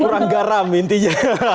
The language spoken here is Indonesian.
kurang garam intinya